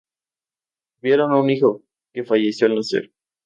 Tuvieron un hijo que falleció al nacer.